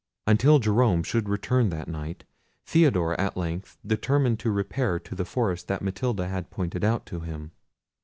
Until Jerome should return at night, Theodore at length determined to repair to the forest that Matilda had pointed out to him.